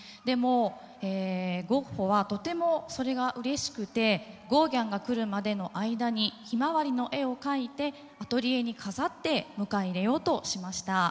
でもゴッホはとてもそれがうれしくてゴーギャンが来るまでの間にヒマワリの絵を描いてアトリエに飾って迎え入れようとしました。